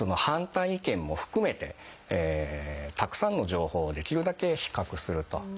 反対意見も含めてたくさんの情報をできるだけ比較すると。